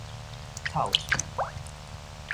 臭喙